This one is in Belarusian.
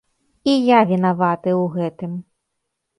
І я вінаваты ў гэтым.